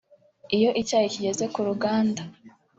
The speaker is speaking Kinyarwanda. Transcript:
Iyo icyayi kigeze ku ruganda